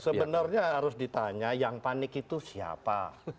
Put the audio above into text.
sebenarnya harus ditanya yang panik itu siapa